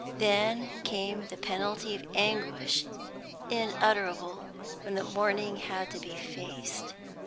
Then came the penalty of anguish unutterable when the morning had to be faced.